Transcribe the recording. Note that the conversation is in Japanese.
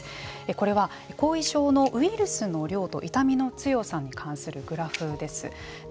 これは後遺症のウイルスの量と痛みの強さに関するグラフです。